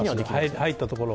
入ったところは。